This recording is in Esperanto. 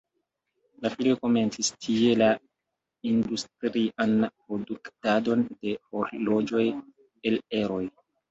La filoj komencis tie la industrian produktadon de horloĝoj el eroj.